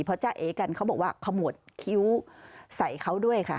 เพราะจ้าเอกันเขาบอกว่าขโมดคิ้วใส่เขาด้วย